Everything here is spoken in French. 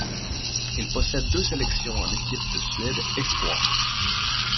Il possède deux sélections en équipe de Suède espoirs.